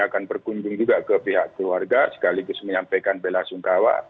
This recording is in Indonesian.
ini akan berkunjung juga ke pihak keluarga sekaligus menyampaikan bela sungkawa